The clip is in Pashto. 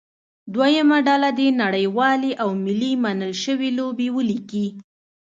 دویمه ډله دې نړیوالې او ملي منل شوې لوبې ولیکي.